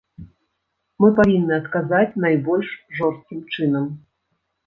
Мы павінны адказаць найбольш жорсткім чынам.